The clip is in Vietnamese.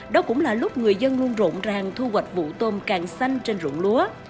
đó cũng là lúc người dân luôn rộn ràng thu hoạch vụ tôm càng xanh trên rụng lúa